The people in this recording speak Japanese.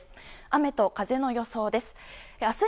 雨と風の予想です。